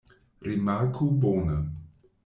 Rimarku bone.